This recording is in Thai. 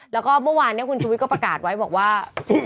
แล้วก็เมื่อวานเนี้ยคุณชูวิทธิ์ก็ประกาศไว้บอกว่า